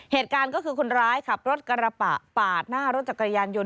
เหตุการณ์ก็คือคนร้ายขับรถกระบะปาดหน้ารถจักรยานยนต